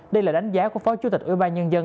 đây là đánh giá của phó chủ tịch ủy ban nhân dân